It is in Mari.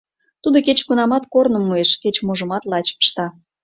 Тудо кеч-кунамат корным муэш, кеч-можымат лач ышта.